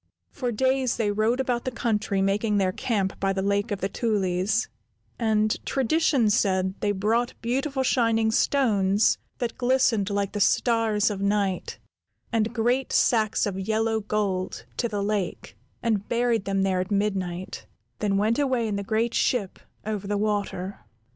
For days they rode about the country, making their camp by the Lake of the Tulies, and tradition said they brought beautiful shining stones, that glistened like the stars of night, and great sacks of yellow gold to the lake, and buried them there at midnight; then went away in the great ship over the water.